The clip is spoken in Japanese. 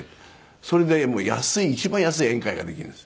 それで安い一番安い宴会ができるんですよ。